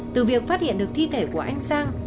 từ việc phát hiện được thi thể của anh sang